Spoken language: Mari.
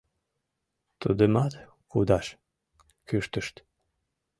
«Тудымат кудаш!» — кӱштышт.